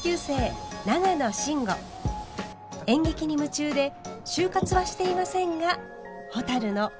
演劇に夢中で就活はしていませんがほたるのよき相談相手です。